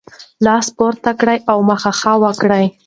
لاس پورته کړه او مخه ښه وکړه.